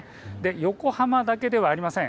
横浜だけではありません。